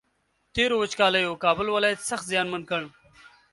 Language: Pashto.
تېرو وچکالیو کابل ولایت سخت زیانمن کړ